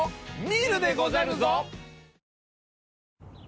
見るでござるぞ！